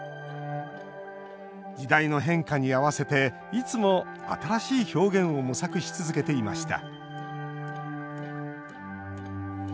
時代の変化に合わせていつも、新しい表現を模索し続けていました